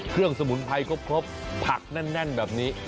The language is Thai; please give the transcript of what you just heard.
เครื่องสมุนไพรครบผักแน่นแบบนี้